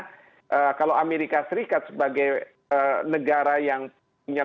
karena kalau amerika serikat sebagai negara yang berpengaruh mereka akan datang ke negara negara yang berpengaruh